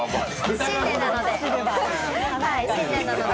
新年なので。